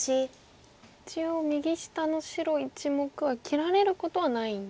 一応右下の白１目は切られることはないんですか。